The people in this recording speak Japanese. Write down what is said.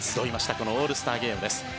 このオールスターゲームです。